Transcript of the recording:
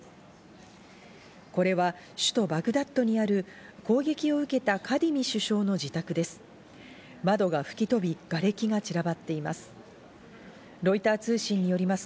これは首都バグダッドにある攻撃を受けたカディミ首相の自宅です。